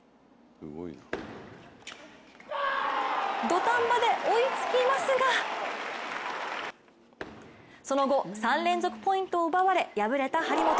土壇場で追いつきますがその後、３連続ポイントを奪われ敗れた張本。